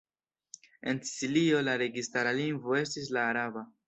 En Sicilio la registara lingvo estis la araba.